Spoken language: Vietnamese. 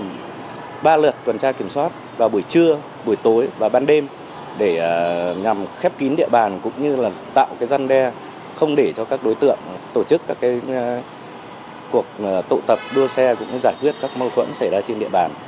công an sẽ tiếp tục tăng cường tuần tra kiểm soát vào buổi trưa buổi tối và ban đêm để nhằm khép kín địa bàn cũng như là tạo dân đe không để cho các đối tượng tổ chức các cuộc tụ tập đua xe cũng như giải quyết các mâu thuẫn xảy ra trên địa bàn